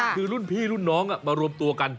คือรุ่นพี่รุ่นน้องมารวมตัวกัน